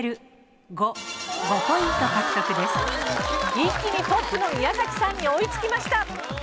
一気にトップの宮崎さんに追いつきました。